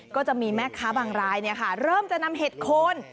ก็จะมีแม่ค้าบางรายเริ่มจะนำเห็ดโคน